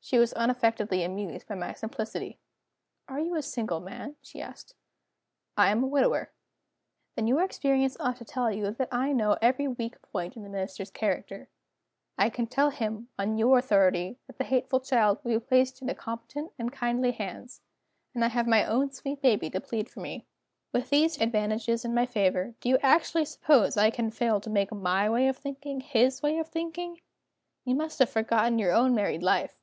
She was unaffectedly amused by my simplicity. "Are you a single man?" she asked. "I am a widower." "Then your experience ought to tell you that I know every weak point in the Minister's character. I can tell him, on your authority, that the hateful child will be placed in competent and kindly hands and I have my own sweet baby to plead for me. With these advantages in my favor, do you actually suppose I can fail to make my way of thinking his way of thinking? You must have forgotten your own married life!